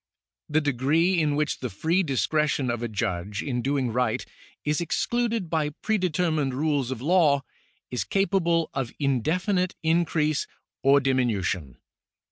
The degree in which the free discretion of a judge in doing right is excluded by prede termined rules of law, is capable of indefinite increase or diminution.